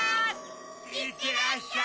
いってらっしゃい！